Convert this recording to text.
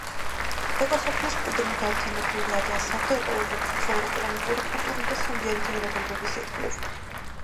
ეკოსოფლის მკვიდრნი გაერთიანებულნი არიან საერთო ეკოლოგიური, სოციალ-ეკონომიკური, კულტურული და სულიერი ღირებულებების ირგვლივ.